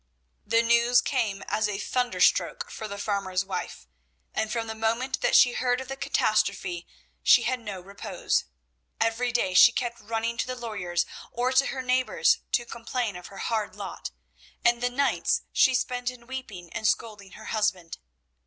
The news came as a thunder stroke for the farmer's wife, and from the moment that she heard of the catastrophe she had no repose. Every day she kept running to the lawyers, or to her neighbours to complain of her hard lot, and the nights she spent in weeping and scolding her husband.